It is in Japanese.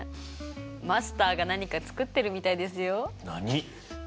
マスターが何か作ってるみたいですよ。何！？